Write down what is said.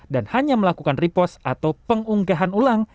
dan hanya melakukan repost atau pengunggahan ulang